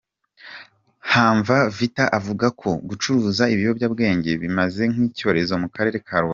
Hamza Vita avuga ko gucuruza ibiyobyabwenge bimeze nk’icyorezo mu karere ka Rubavu.